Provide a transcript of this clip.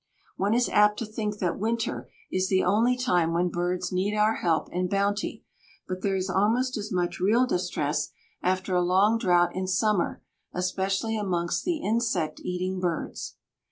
One is apt to think that winter is the only time when birds need our help and bounty, but there is almost as much real distress after a long drought in summer, especially amongst the insect eating birds.